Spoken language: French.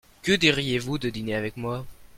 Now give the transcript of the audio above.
Que diriez-vous de dîner avec moi ?